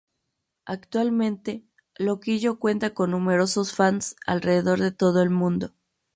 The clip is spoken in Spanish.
Actualmente, Loquillo cuenta con numerosos fans alrededor de todo el mundo.